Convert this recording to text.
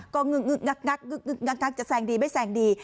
ก็งึกจะแซงดีไม่แซงดี